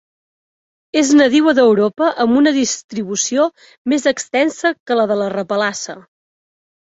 És nadiua d'Europa amb una distribució més extensa que la de la repalassa.